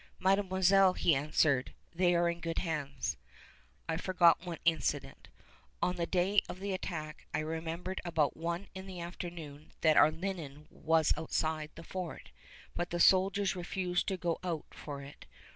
"Mademoiselle," he answered, "they are in good hands." I forgot one incident. On the day of the attack I remembered about one in the afternoon that our linen was outside the fort, but the soldiers refused to go out for it.